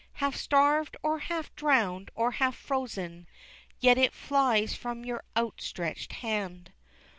Half starved, or half drowned, or half frozen, Yet it flies from your outstretched hand?